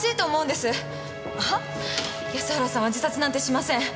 安原さんは自殺なんてしません！